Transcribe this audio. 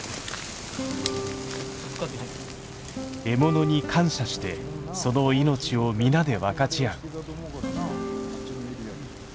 獲物に感謝してその命を皆で分かち合う。